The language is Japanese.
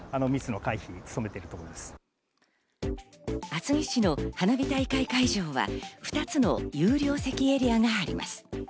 厚木市の花火大会会場は２つの有料席エリアがあります。